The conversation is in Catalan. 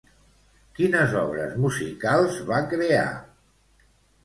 Quines obres musicals va crear?